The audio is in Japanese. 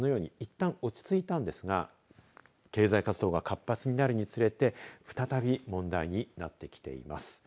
いったん落ち着いたんですが経済活動が活発になるにつれて再び問題になってきています。